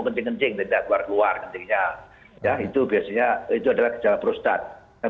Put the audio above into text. kencing kencing tidak keluar keluar kencingnya ya itu biasanya itu adalah kejahatan prostat dan